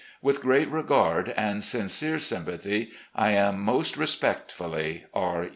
"With great regard and sincere S3rmpathy, I am, "Most respectfully, R.